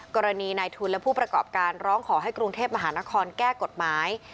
กรณีนายทุนและผู้ประกอบการร้องขอให้กรุงเทพมหานครแก้กฎหมาย